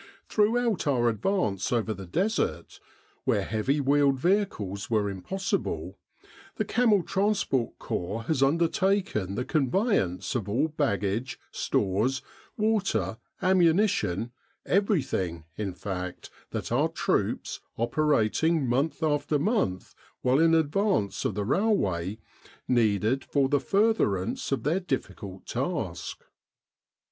Throughout our advance over the Desert, where heavy wheeled vehicles were impossible, the C.T.C. has undertaken the conveyance of all baggage, stores, water, am munition everything, in fact, that our troops, operating month after month well in advance of the railway, needed for the furtherance of their difficult task.